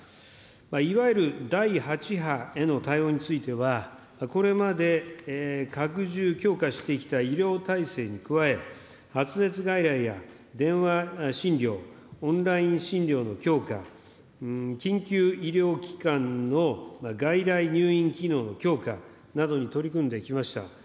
いわゆる第８波への対応については、これまで拡充、強化してきた医療体制に加え、発熱外来や電話診療、オンライン診療の強化、緊急医療機関の外来入院機能の強化などに取り組んできました。